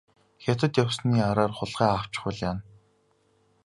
Хятад явсны араар хулгай авчихвал яана.